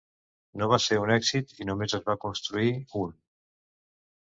No va ser un èxit i només es va construir un.